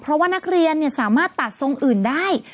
เพราะว่านักเรียนสามารถตัดทรงอื่นได้